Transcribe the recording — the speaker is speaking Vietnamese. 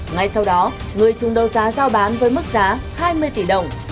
ngay sau đó người chung đấu giá giao bán với mức giá hai mươi tỷ đồng